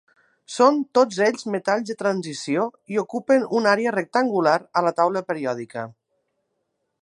Són tots ells metalls de transició i ocupen una àrea rectangular a la taula periòdica.